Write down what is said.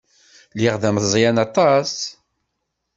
Lliɣ d ameẓyan aṭas.